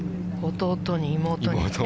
弟に妹に。